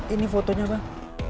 ini fotonya bang